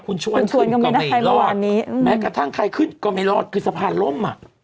คุณชวนขึ้นก็ไม่รอดแม้กระทั่งใครขึ้นก็ไม่รอดคือสะพานล่ม